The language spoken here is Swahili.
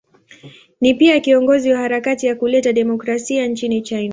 Ni pia kiongozi wa harakati ya kuleta demokrasia nchini China.